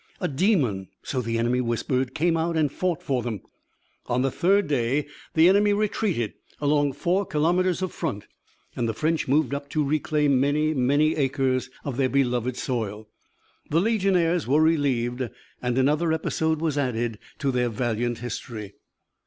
A demon, so the enemy whispered, came out and fought for them. On the third day the enemy retreated along four kilometres of front, and the French moved up to reclaim many, many acres of their beloved soil. The Legionnaires were relieved and another episode was added to their valiant history.